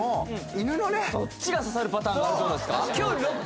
そっちが刺さるパターンありそうですか？